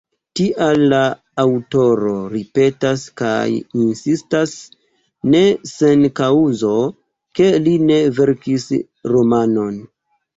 Tial la aŭtoro ripetas kaj insistas, ne sen kaŭzo, ke li ne verkis romanon.